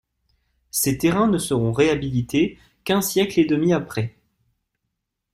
Ces terrains ne seront réhabilités qu'un siècle et demi après.